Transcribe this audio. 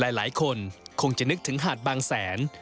หลายคนคงจะนึกถึงหาดบางแสน